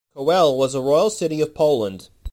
Kowel was a royal city of Poland.